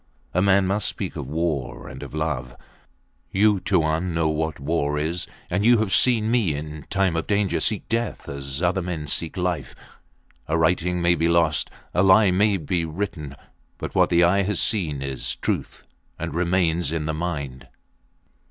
A man must speak of war and of love. You, Tuan, know what war is, and you have seen me in time of danger seek death as other men seek life! A writing may be lost; a lie may be written; but what the eye has seen is truth and remains in the mind!